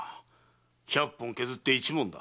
百本削って一文だ。